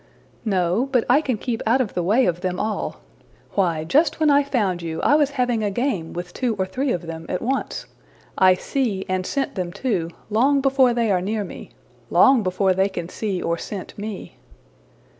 '' ``No, but I can keep out of the way of them all. Why, just when I found you, I was having a game with two or three of them at once. I see, and scent them too, long before they are near me long before they can see or scent me.''